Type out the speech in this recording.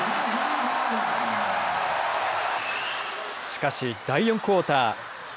しかし、第４クオーター。